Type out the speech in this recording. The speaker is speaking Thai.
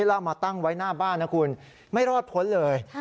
แล้วเอามาตั้งไว้หน้าบ้านนะคุณไม่รอดพ้นเลย